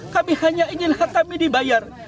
kami hanya ingin hak kami dibayar